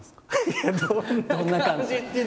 いやどんな感じって。